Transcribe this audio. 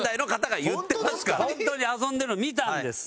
本当に遊んでるのを見たんです。